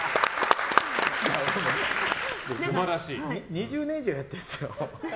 ２０年以上やってるんですよ。